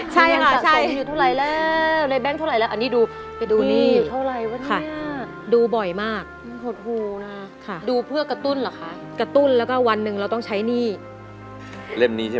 ใช่ว่าในแบงค์ตัวอยู่เท่าไหร่แล้วอันนี้ไปดูหนี้เท่าไหร่วะเนี่ย